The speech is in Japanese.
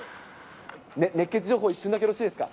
熱ケツ情報、一瞬だけよろしいですか？